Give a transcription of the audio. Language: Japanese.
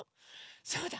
そうだ！